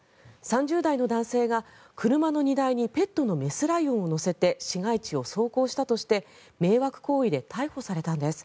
３０代の男性が車の荷台にペットの雌ライオンを載せて市街地を走行したとして迷惑行為で逮捕されたんです。